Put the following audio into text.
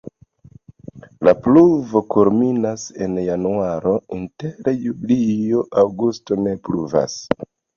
La pluvo kulminas en januaro, inter julio-aŭgusto ne pluvas.